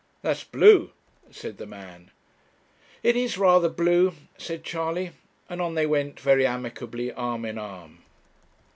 'That's blue,' said the man. 'It is rather blue,' said Charley; and on they went very amicably arm in arm.